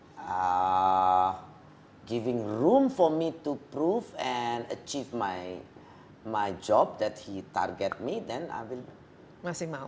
memberi ruang untuk saya untuk mencobanya dan mencapai pekerjaan yang dia target saya maka saya akan berhasil